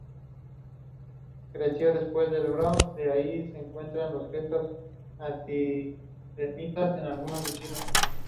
La inscripción contiene una parte en escritura jeroglífica y otra en escritura demótica.